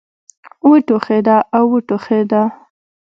وټوخېده را وټوخېده.